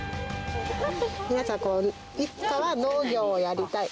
皆さん、いつかは農業をやりたい。